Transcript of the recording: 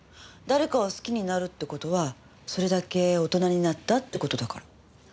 誰かを好きになるって事はそれだけ大人になったって事だから。